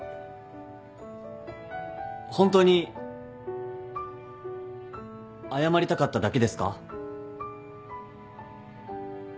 ホントに謝りたかっただけですか？